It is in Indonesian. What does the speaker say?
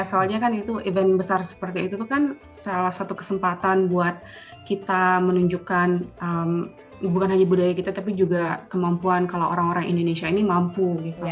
soalnya kan itu event besar seperti itu tuh kan salah satu kesempatan buat kita menunjukkan bukan hanya budaya kita tapi juga kemampuan kalau orang orang indonesia ini mampu